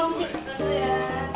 pulang dulu ya